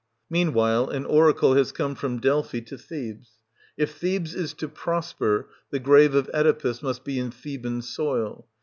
Meanwhile an oracle has come fro7n Delphi to Thebes, If Thebes is to prosper, the grave of Oedipus 7nust be in Theban soil.